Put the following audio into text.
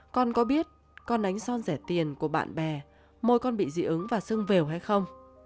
con có biết con ánh son rẻ tiền của bạn bè môi con bị dị ứng và sưng vèo hay không